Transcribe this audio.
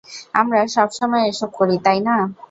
আমরা সবসময় এসব করি, তাইনা?